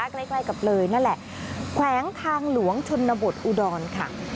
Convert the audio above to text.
ใกล้กับเลยนั่นแหละแขวงทางหลวงชนบทอุดรค่ะ